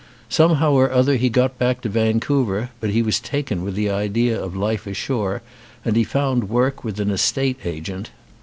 Somehow or other he got back to Vancouver, but he was taken with the idea of life ashore, and he found work with an estate agent.